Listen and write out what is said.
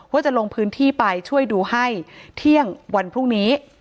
ว่าจะลงพื้นที่ไปช่วยดูให้เที่ยงวันพรุ่งนี้